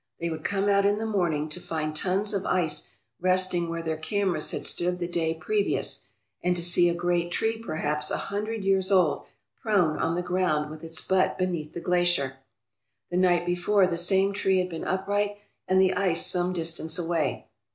They would come out in the morning to find tons of ice resting where their cameras had stood the day previous and to see a great tree perhaps a hundred years old prone on the ground with its butt beneath the glacier. The night be fore the same tree had been upright and the ice some dis tance away.